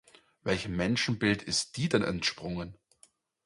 Welchem Menschenbild ist die denn entsprungen?